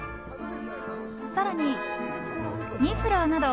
更に、ニフラーなど